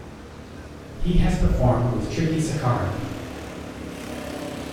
He has performed with Trichy Sankaran.